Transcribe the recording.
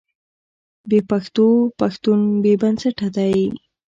بې پښتوه پښتون بې بنسټه دی.